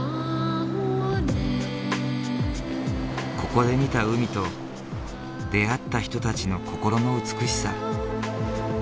ここで見た海と出会った人たちの心の美しさ。